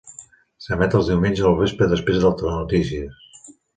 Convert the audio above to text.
S'emet els diumenges al vespre després del Telenotícies.